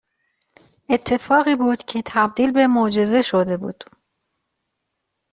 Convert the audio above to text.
اتفاقی بود که تبدیل به معجزه شده بود